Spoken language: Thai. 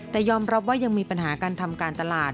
แต่ยอมรับว่ายังมีปัญหาการทำการตลาด